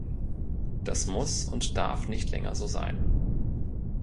Das muss und darf nicht länger so sein.